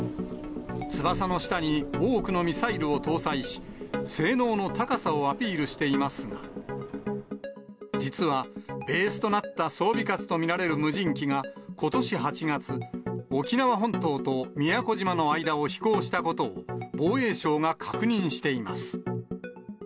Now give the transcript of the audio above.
翼の下に多くのミサイルを搭載し、性能の高さをアピールしていますが、実はベースとなった双尾蝎と見られる無人機が、ことし８月、沖縄本島と宮古島の間を飛行したことを、防衛省が確認しています。